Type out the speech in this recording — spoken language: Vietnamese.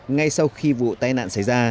ngay sau khi vụ tai nạn xảy ra